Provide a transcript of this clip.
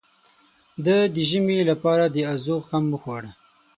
ده د ژمي لپاره د ازوغ غم خوړ.